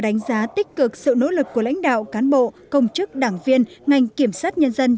đánh giá tích cực sự nỗ lực của lãnh đạo cán bộ công chức đảng viên ngành kiểm sát nhân dân